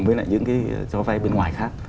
với lại những cái cho vay bên ngoài khác